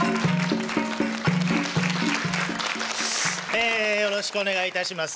えよろしくお願いいたします。